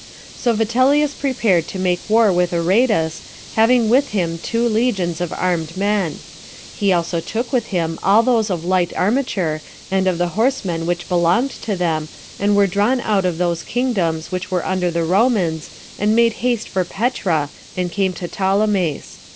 3. So Vitellius prepared to make war with Aretas, having with him two legions of armed men; he also took with him all those of light armature, and of the horsemen which belonged to them, and were drawn out of those kingdoms which were under the Romans, and made haste for Petra, and came to Ptolemais.